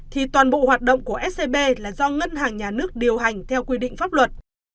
thì toàn bộ hoạt động của scb là do ngân hàng nhà nước điều hành theo quy định pháp luật